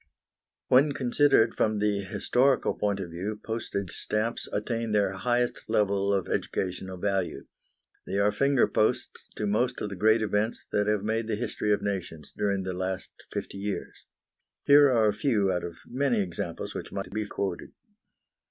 When considered from the historical point of view, postage stamps attain their highest level of educational value. They are finger posts to most of the great events that have made the history of nations during the last fifty years. Here are a few out of many examples which might be quoted.